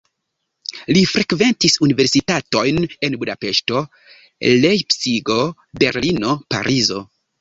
Li frekventis universitatojn en Budapeŝto, Lejpcigo, Berlino, Parizo.